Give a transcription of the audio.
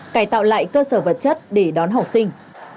cải tạo lại cơ sở vật chất để đón học sinh